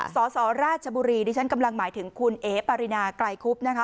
สสราชบุรีดิฉันกำลังหมายถึงคุณเอ๋ปารินาไกลคุบนะคะ